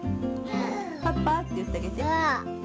「パパ」って言ってあげて。